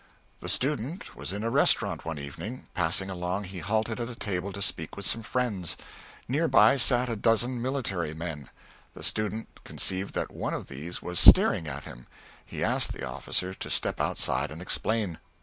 The student was in a restaurant one evening: passing along, he halted at a table to speak with some friends; near by sat a dozen military men; the student conceived that one of these was "staring" at him; he asked the officer to step outside and explain.